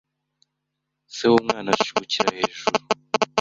Se w'umwana ashigukira hejuru